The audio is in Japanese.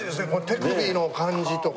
手首の感じとか。